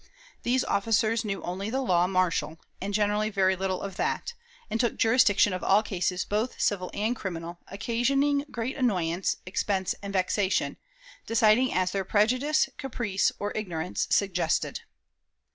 These officers knew only the law martial, and generally very little of that; and took jurisdiction of all cases both civil and criminal, occasioning great annoyance, expense, and vexation, deciding as their prejudice, caprice, or ignorance suggested.